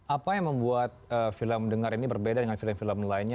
apa yang membuat film dengar ini berbeda dengan film film lainnya